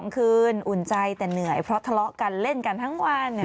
คืนอุ่นใจแต่เหนื่อยเพราะทะเลาะกันเล่นกันทั้งวัน